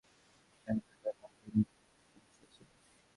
তবে ভারতের টেস্ট অধিনায়কের লম্বা ইনিংস খেলার সামর্থ্য নিয়ে কিছুটা সংশয় ছিলই।